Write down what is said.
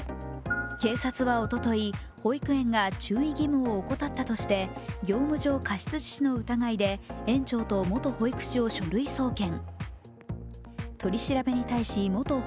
警察はおととい、保育園が注意義務を怠ったとして業務上過失致死の疑いで園長と元保育士を書類送検。